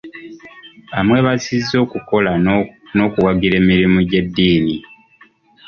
Amwebazizza okukola n'okuwagira emirimu gy'eddiini.